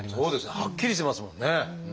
はっきりしてますもんね。